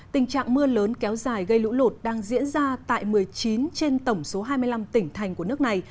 tình trạng mưa lớn kéo dài gây lũ lụt đang diễn ra tại một mươi chín trên tổng số hai mươi năm tỉnh thành của nước này